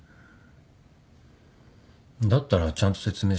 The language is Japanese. だったらちゃんと説明したら？